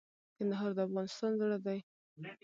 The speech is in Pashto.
کندهار د افغانستان زړه دي